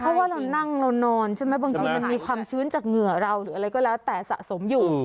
เพราะว่าเรานั่งเรานอนใช่ไหมบางทีมันมีความชื้นจากเหงื่อเราหรืออะไรก็แล้วแต่สะสมอยู่